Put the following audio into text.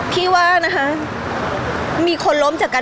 พี่ตอบได้แค่นี้จริงค่ะ